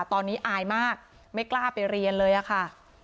ตอนนี้อายมากไม่กล้าไปเรียนเลยอะค่ะ